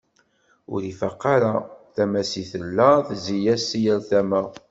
Ur ifaq ara tama-s i tella tezzi-as si yal tama.